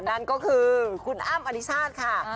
นั่นก็คือคุณอ้ำอธิชาติค่ะ